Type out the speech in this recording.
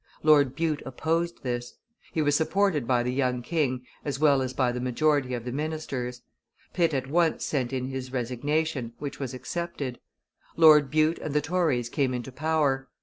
Lord Bute opposed this; he was supported by the young king as well as by the majority of the ministers. Pitt at once sent in his resignation, which was accepted. Lord Bute and the Tories came into power.